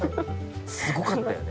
すごかったよね。